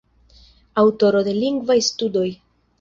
Aŭtoro de lingvaj studoj.